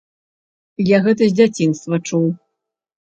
Я гэта з дзяцінства чуў.